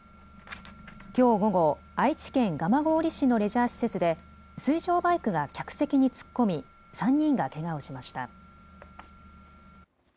きょう午後、愛知県蒲郡市のレジャー施設で、水上バイクが客席に突っ込み、３人がけがをしました。